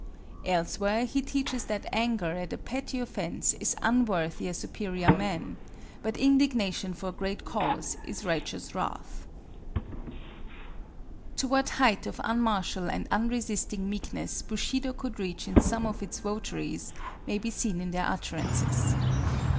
Elsewhere he teaches that anger at a petty offense is unworthy a superior man, but indignation for a great cause is righteous wrath. To what height of unmartial and unresisting meekness Bushido could reach in some of its votaries, may be seen in their utterances.